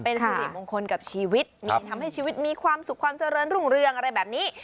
เป็นสิริมงคลกับชีวิตมีทำให้ชีวิตมีความสุขความเจริญรุ่งเรืองอะไรแบบนี้